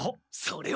それ！